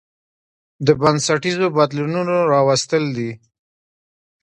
د بنسټيزو بدلونونو راوستل دي